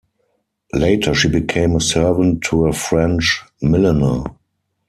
Later she became a servant to a French milliner.